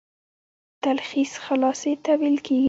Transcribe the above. تلخیص خلاصې ته ويل کیږي.